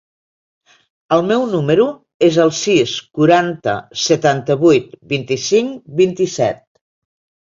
El meu número es el sis, quaranta, setanta-vuit, vint-i-cinc, vint-i-set.